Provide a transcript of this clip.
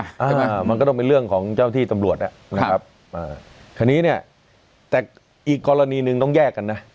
ใช่ไหมมันก็ต้องเป็นเรื่องของเจ้าที่ตำรวจอ่ะนะครับอ่าคราวนี้เนี่ยแต่อีกกรณีหนึ่งต้องแยกกันนะ